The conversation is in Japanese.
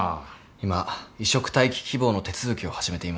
今移植待機希望の手続きを始めています。